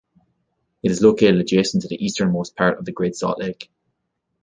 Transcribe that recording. It is located adjacent to the easternmost part of the Great Salt Lake.